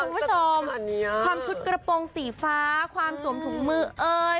คุณผู้ชมความชุดกระโปรงสีฟ้าความสวมถุงมือเอ่ย